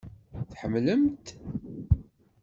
Tḥemmlem-t?